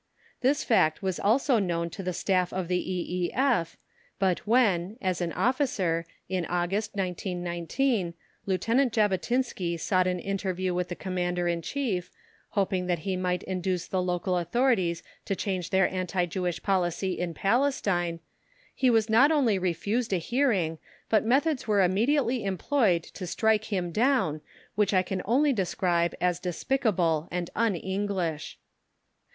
This fact was also known to the Staff of the E.E.F., but when, as an officer, in August, 1919, Lieutenant Jabotinsky sought an interview with the Commander in Chief, hoping that he might induce the local authorities to change their anti Jewish policy in Palestine, he was not only refused a hearing, but methods were immediately employed to strike him down which I can only describe as despicable and un English.